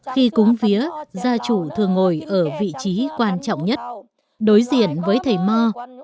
khi cúng vía gia chủ thường ngồi ở vị trí quan trọng nhất đối diện với thầy mò